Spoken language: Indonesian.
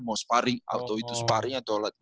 mau sparring atau itu sparring atau alat